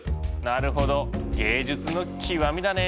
なるほど芸術の極みだね。